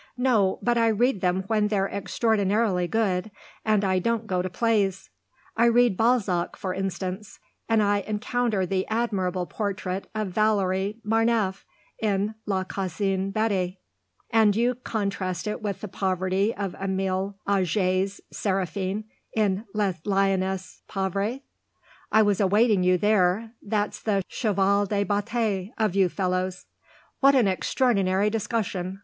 "No, but I read them when they're extraordinarily good, and I don't go to plays. I read Balzac for instance I encounter the admirable portrait of Valérie Marneffe in La Cousine Bette." "And you contrast it with the poverty of Emile Augier's Séraphine in Les Lionnes Pauvres? I was awaiting you there. That's the cheval de bataille of you fellows." "What an extraordinary discussion!